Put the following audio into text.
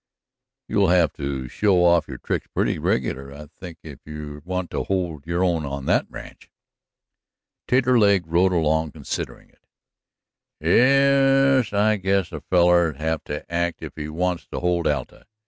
You'll have to show off your tricks pretty regular, I think, if you want to hold your own in that ranch." Taterleg rode along considering it. "Ye es, I guess a feller'll have to act if he wants to hold Alta.